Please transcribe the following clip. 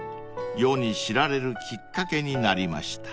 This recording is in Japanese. ［世に知られるきっかけになりました］